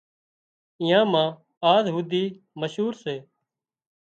اينئان نام آز هوڌي مشهور سي